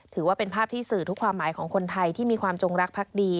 ถือว่าเป็นภาพที่สื่อทุกความหมายของคนไทยที่มีความจงรักพักดี